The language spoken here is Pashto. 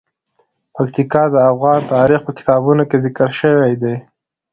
پکتیکا د افغان تاریخ په کتابونو کې ذکر شوی دي.